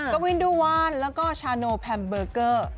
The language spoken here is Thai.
กวินดูวานแล้วก็ชาโนแพมเบอร์เกอร์